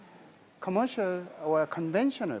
jika bus komersial atau konvensional